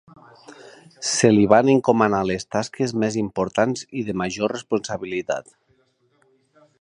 Se li van encomanar les tasques més importants i de major responsabilitat.